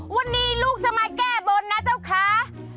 วันนี้ลูกจะมาแก้บนนะเจ้าค้า